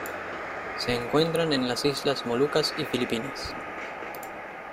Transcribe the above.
Se encuentran en las Islas Molucas y Filipinas.